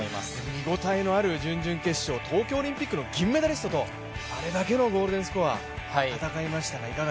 見応えのある準々決勝、東京オリンピックの銀メダリストとあれだけのゴールデンスコア、戦いました。